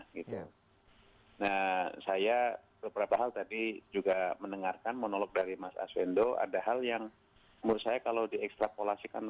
nah saya beberapa hal tadi juga mendengarkan monolog dari mas aswendo